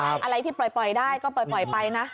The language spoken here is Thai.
อะไรที่ปล่อยได้ก็ปล่อยไปนะ